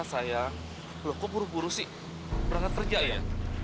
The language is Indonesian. eyang lo kok buru buru sih berangkat kerja ya